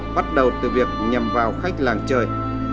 bắt đầu từ việc nhầm vào khách làng trời